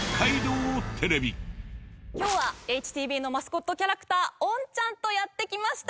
今日はＨＴＢのマスコットキャラクターｏｎちゃんとやって来ました。